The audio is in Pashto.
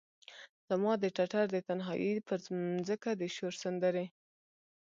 زما د ټټر د تنهایې پرمځکه د شور سندرې،